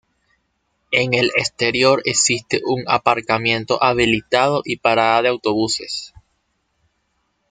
En el exterior existe un aparcamiento habilitado y parada de autobuses.